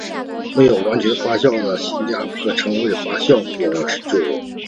没有完全发酵的新酒被称为发酵果酒。